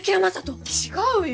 違うよ。